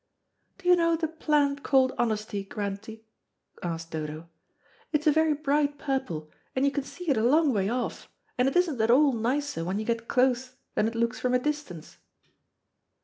"Do you know the plant called honesty, Grantie?" asked Dodo. "It's a very bright purple, and you can see it a long way off, and it isn't at all nicer when you get close than it looks from a distance."